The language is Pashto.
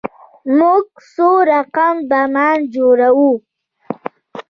موږ څو رقم بمان جوړوو.